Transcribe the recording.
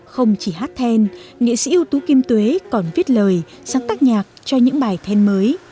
không chỉ hát then nghệ sĩ ưu tú kim tuế còn viết lời sáng tác nhạc cho những bài then mới